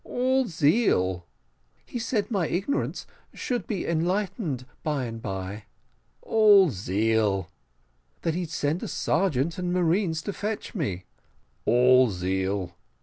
"All zeal." "He said my ignorance should be a little enlightened by and by." "All zeal." "And that he'd send a sergeant and marines to fetch me." "All zeal."